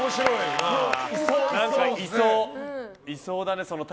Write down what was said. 何か、いそうだね。